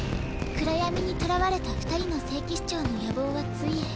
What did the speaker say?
暗闇に捕らわれた二人の聖騎士長の野望はついえ